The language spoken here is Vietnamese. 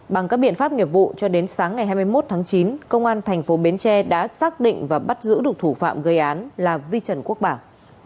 bằng các biện pháp nghiệp vụ cho đến sáng ngày hai mươi một tháng chín công an thành phố bến tre đã xác định và bắt giữ được thủ phạm gây án là vi trần quốc bảo